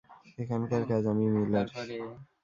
এখানকার কাজ আমি মিলার?